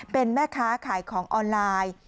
เป็นแม่ค้าขายของออนไลน์